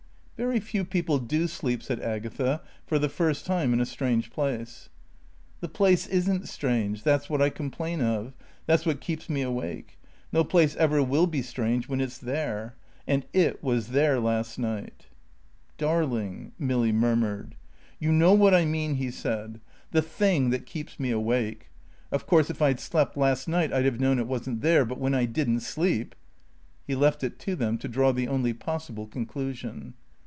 "Very few people do sleep," said Agatha, "for the first time in a strange place." "The place isn't strange. That's what I complain of. That's what keeps me awake. No place ever will be strange when It's there. And It was there last night." "Darling " Milly murmured. "You know what I mean," he said. "The Thing that keeps me awake. Of course if I'd slept last night I'd have known it wasn't there. But when I didn't sleep " He left it to them to draw the only possible conclusion.